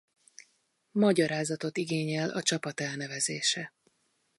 Magyarázatot igényel a csapat elnevezése.